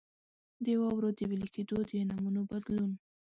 د واورو د وېلې کېدو د نمونو بدلون.